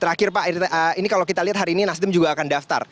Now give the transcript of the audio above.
terakhir pak ini kalau kita lihat hari ini nasdem juga akan daftar